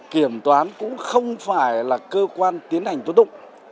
kiểm toán cũng không phải là cơ quan tiến hành tốt đụng